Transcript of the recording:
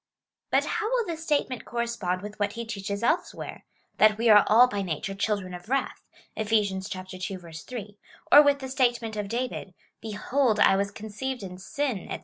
But how will this statement correspond with what he teaches elsewhere — that we are all hy nature children of wrath ; (Eph. ii. 3 ;) or with the statement of David — Be hold I was conceived in sin, &c.